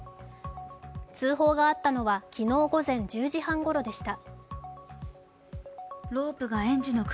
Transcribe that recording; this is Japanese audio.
通報があったのは昨日午前１０時半ごろでした。